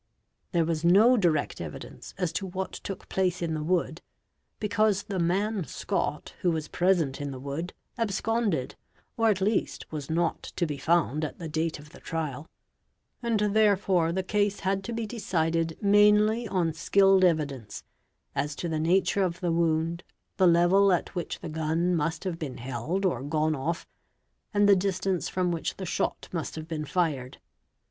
There was no direct evidence as to what took place in the wood, because the man Scott, who was _ present in the wood, absconded, or at least was not to be found at the date of the trial, and therefore the case had to be decided mainly on _ skilled evidence as to the nature of the wound, the level at which the gun must have been held or gone off, and the distance from which the i shot must have been fired.